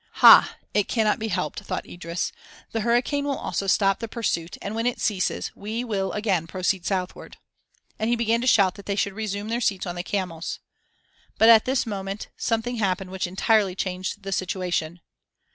"Ha! it cannot be helped," thought Idris. "The hurricane will also stop the pursuit and when it ceases, we will again proceed southward." And he began to shout that they should resume their seats on the camels. But at this moment something happened which entirely changed the situation.